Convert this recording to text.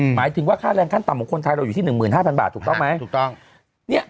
หมายถึงว่าค่าแรงขั้นต่ำของคนไทยเราอยู่ที่๑๕๐๐บาทถูกต้องไหมถูกต้อง